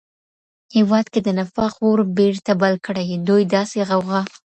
هيواد کي د نفاق اور بېرته بل کړي. دوی داسي غوغا